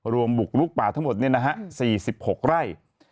รวมบุกลุกป่าทั้งหมดนี่นะฮะ๔๖ไร่